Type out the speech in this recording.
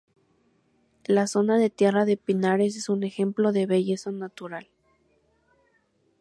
La zona de Tierra de Pinares es un ejemplo de belleza natural.